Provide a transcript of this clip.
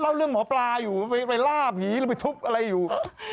เล่าเรื่องหมอปลาอยู่ไปล่าผีหรือไปทุบอะไรอยู่